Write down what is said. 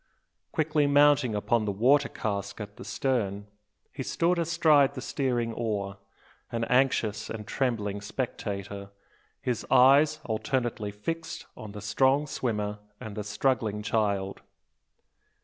Quickly mounting upon the water cask at the stern, he stood astride the steering oar, an anxious and trembling spectator, his eyes alternately fixed on the strong swimmer and the struggling child.